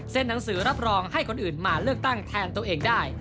หนังสือรับรองให้คนอื่นมาเลือกตั้งแทนตัวเองได้